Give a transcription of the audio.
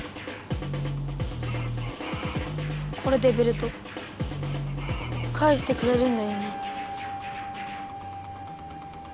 これでベルトかえしてくれるんだよね。